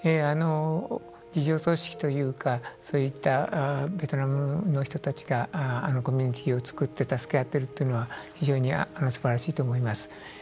自助組織というかそういったベトナムの人たちがコミュニティーを作って助け合ってるっていうのは非常にすばらしいと思います。